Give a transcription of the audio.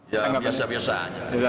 ya biasa biasa aja